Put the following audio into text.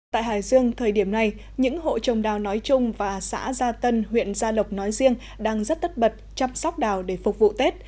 tại hải dương thời điểm này những hộ trồng đào nói chung và xã gia tân huyện gia lộc nói riêng đang rất tất bật chăm sóc đào để phục vụ tết